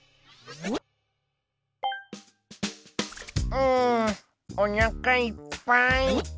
うんおなかいっぱい。